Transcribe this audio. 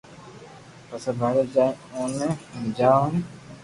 پپسي ٻاري جائين اوني ھمجاوئي